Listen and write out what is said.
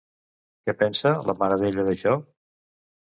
Què pensa la mare d'ella d'això?